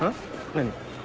何？